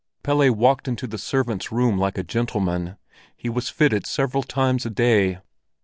Pelle walked into the servants' room like a gentleman; he was fitted several times a day.